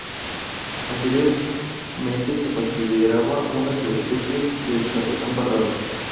Anteriormente se consideraba una subespecie del charlatán barrado.